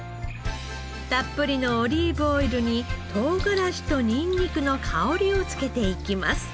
たっぷりのオリーブオイルに唐辛子とニンニクの香りをつけていきます。